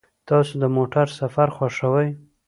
تاسو د موټر سفر خوښوئ؟